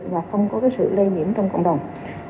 và không có sự lây nhiễm trong cộng đồng